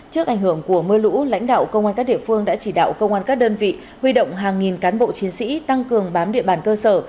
trước ảnh hưởng của mưa lũ lãnh đạo công an các địa phương đã chỉ đạo công an các đơn vị huy động hàng nghìn cán bộ chiến sĩ tăng cường bám địa bàn cơ sở